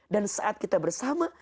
dan saat kita bersama